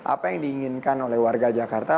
apa yang diinginkan oleh warga jakarta